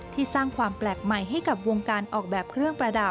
สร้างความแปลกใหม่ให้กับวงการออกแบบเครื่องประดับ